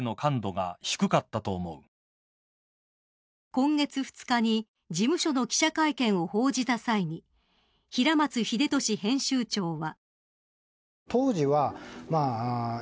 今月２日に事務所の記者会見を報じた際に平松秀敏編集長は。